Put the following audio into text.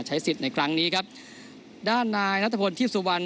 ใช้สิทธิ์ในครั้งนี้ครับด้านนายนัทพลที่สุวรรณ